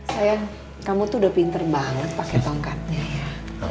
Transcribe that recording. sayang kamu tuh udah pinter banget pakai tongkatnya ya